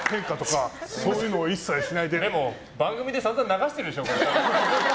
でも番組で散々流してるでしょ？